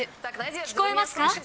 聞こえますか？